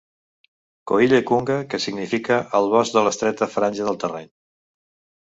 "Coille Cunga" que significa "el bosc de l'estreta franja de terreny".